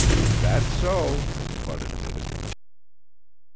"That's so," Bud admitted.